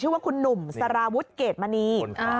หรือจะบาระวุฒเกดมณี